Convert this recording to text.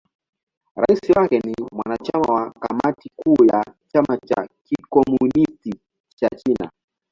Rais wake ni mwanachama wa Kamati Kuu ya Chama cha Kikomunisti cha China.